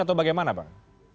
atau bagaimana bang